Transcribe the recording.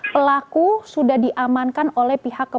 pelaku sudah diamankan oleh pihak kepolisian